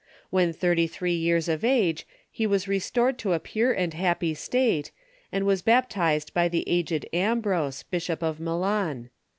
When thirty three years of age he was restored to a pure and hai)py state, and was baptized by the aged Ambrose, Bishop of Milan.